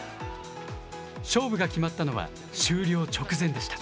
勝負が決まったのは終了直前でした。